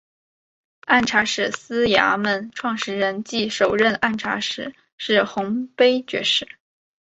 按察使司衙门创设人暨首任按察使是洪卑爵士。